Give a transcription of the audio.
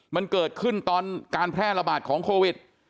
มันเกิดขึ้นตอนการแพร่ระบาดของโควิด